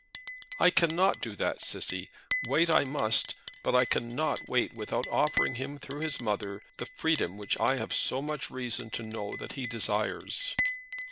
"I cannot do that, Cissy. Wait I must, but I cannot wait without offering him, through his mother, the freedom which I have so much reason to know that he desires."